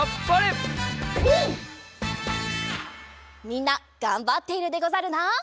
みんながんばっているでござるな。